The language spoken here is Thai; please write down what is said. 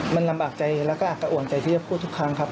มันลำอาจจะยุ่งและอ่าวงใจที่จะพูดทุกครั้งครับ